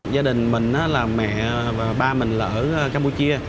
gia đình mình là mẹ và ba mình ở campuchia